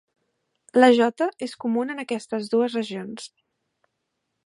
La jota és comuna en aquestes dues regions.